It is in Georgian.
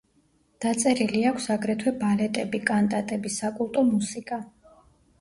დაწერილი აქვს აგრეთვე ბალეტები, კანტატები, საკულტო მუსიკა.